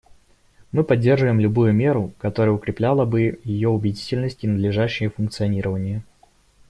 Мы поддерживаем любую меру, которая укрепляла бы ее убедительность и надлежащее функционирование.